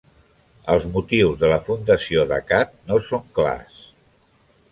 Els motius de la fundació d'Accad no són clars.